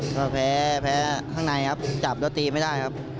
เพราะเผลอแพ้ข้างในจับแล้วตีไม่ได้ครับ